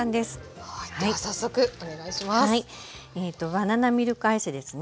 バナナミルクアイスですね。